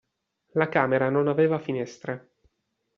La camera non aveva finestra.